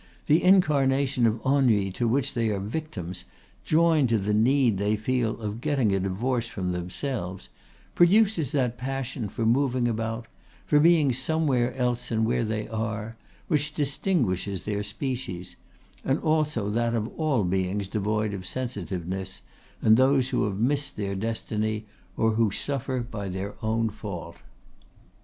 The incarnation of ennui to which they are victims, joined to the need they feel of getting a divorce from themselves, produces that passion for moving about, for being somewhere else than where they are, which distinguishes their species, and also that of all beings devoid of sensitiveness, and those who have missed their destiny, or who suffer by their own fault.